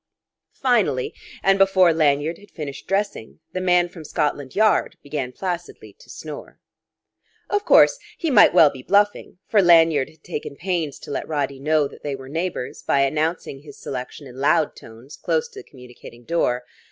Finally, and before Lanyard had finished dressing, the man from Scotland Yard began placidly to snore. Of course, he might well be bluffing; for Lanyard had taken pains to let Roddy know that they were neighbours, by announcing his selection in loud tones close to the communicating door.